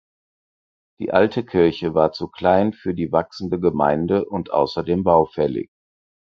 Die alte Kirche war zu klein für die wachsende Gemeinde und außerdem baufällig.